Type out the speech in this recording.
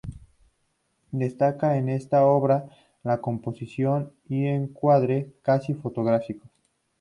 Destaca en esta obra la composición y encuadre, casi fotográficos.